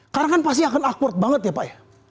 karena kan pasti akan akward banget ya pak ya